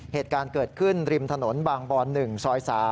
เหตุการณ์เกิดขึ้นริมถนนบางบอน๑ซอย๓